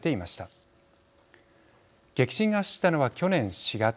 激震が走ったのは去年４月。